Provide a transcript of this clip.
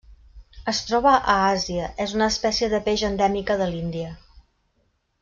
Es troba a Àsia: és una espècie de peix endèmica de l'Índia.